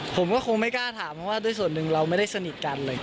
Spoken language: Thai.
ผมก็คงไม่กล้าถามเพราะว่าด้วยส่วนหนึ่งเราไม่ได้สนิทกันเลย